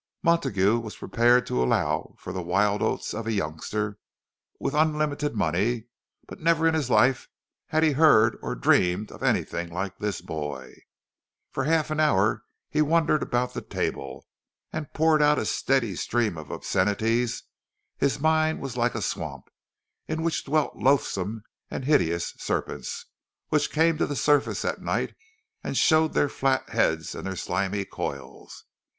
Montague was prepared to allow for the "wild oats" of a youngster with unlimited money, but never in his life had he heard or dreamed of anything like this boy. For half an hour he wandered about the table, and poured out a steady stream of obscenities; his mind was like a swamp, in which dwelt loathsome and hideous serpents which came to the surface at night and showed their flat heads and their slimy coils.